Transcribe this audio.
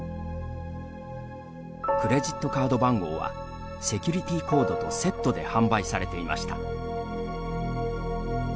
クレジットカード番号はセキュリティーコードとセットで販売されていました。